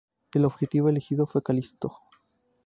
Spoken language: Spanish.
El objetivo elegido fue Calisto.